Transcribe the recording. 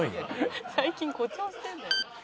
「最近誇張してるんだよ」